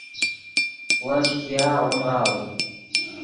ون ګیاغ اونغاؤ